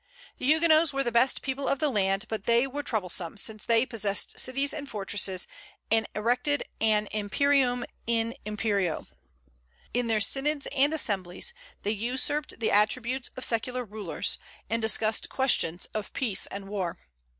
The Huguenots were the best people of the land; but they were troublesome, since they possessed cities and fortresses, and erected an imperium in imperio. In their synods and assemblies they usurped the attributes of secular rulers, and discussed questions of peace and war.